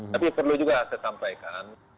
tapi perlu juga saya sampaikan